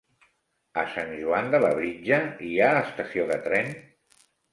A Sant Joan de Labritja hi ha estació de tren?